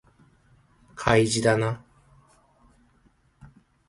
開示だな